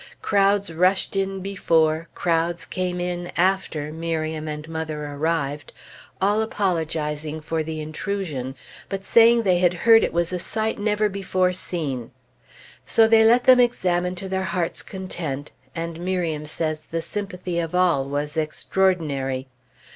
Crowds rushed in before, crowds came in after, Miriam and mother arrived, all apologizing for the intrusion, but saying they had heard it was a sight never before seen. So they let them examine to their hearts' content; and Miriam says the sympathy of all was extraordinary.